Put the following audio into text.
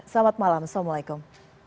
selamat malam assalamu'alaikum